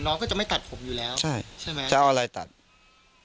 น้องก็จะไม่ตัดผมอยู่แล้วใช่ใช่ไหมจะเอาอะไรตัด